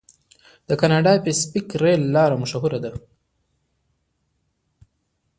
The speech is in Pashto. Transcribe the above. د کاناډا پیسفیک ریل لار مشهوره ده.